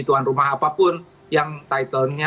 tuan rumah apapun yang title nya